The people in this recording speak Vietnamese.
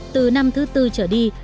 từ năm thứ tư trở đi